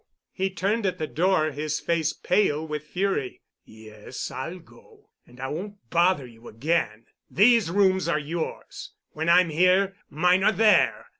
He turned at the door—his face pale with fury. "Yes, I'll go. And I won't bother you again. These rooms are yours. When I'm here, mine are there.